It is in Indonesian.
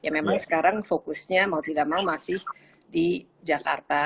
memang sekarang fokusnya mau tidak mau masih di jakarta